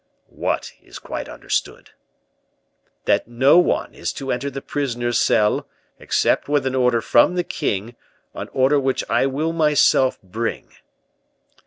"What 'is quite understood'?" "That no one is to enter the prisoner's cell, expect with an order from the king; an order which I will myself bring."